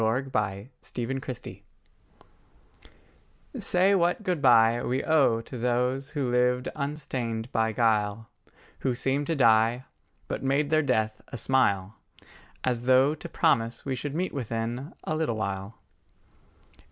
LIII THE FAITHFUL DEPARTED SAY what good bye We owe to those who lived unstained by guile, Who seemed to die, But made their death a smile, As though to promise we should meet within A little while.